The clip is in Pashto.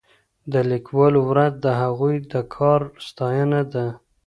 د لیکوالو ورځ د هغوی د کار ستاینه ده.